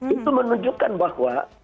itu menunjukkan bahwa